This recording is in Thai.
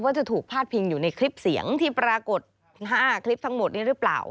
จะถูกพาดพิงอยู่ในคลิปเสียงที่ปรากฏ๕คลิปทั้งหมดนี้หรือเปล่า